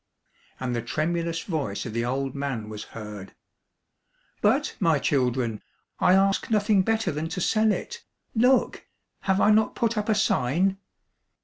And the tremulous voice of the old man was heard, —" But, my children, I ask nothing better than to sell it. Look ! Have I not put up a sign